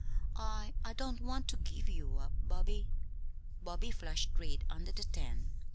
I I don't want to give you up, Bobby." Bobby flushed red under the tan.